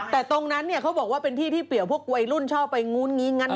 แต่ตรงนั้นเค้าบอกว่าเป็นที่ที่เปลี่ยวพวกไอ้รุ่นชอบไบต์งูรย์มันอยู่